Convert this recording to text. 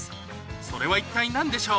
それは一体何でしょう？